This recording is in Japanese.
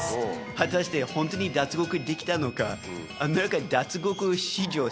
果たしてホントに脱獄できたのか。